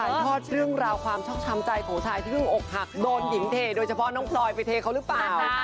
ทอดเรื่องราวความชอบช้ำใจของชายที่เพิ่งอกหักโดนหญิงเทโดยเฉพาะน้องพลอยไปเทเขาหรือเปล่า